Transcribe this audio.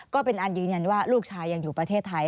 ก็เป็นอันยืนยันว่าลูกชายยังอยู่ประเทศไทย